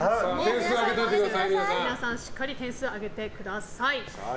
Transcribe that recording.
皆さん、しっかり点数を挙げてください。